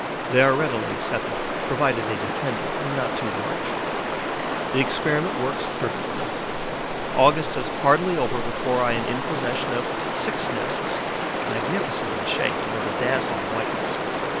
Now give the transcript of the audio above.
They are readily accepted, provided they be tender and not too large. The experiment works perfectly. August is hardly over before I am in possession of six nests, magnificent in shape and of a dazzling whiteness.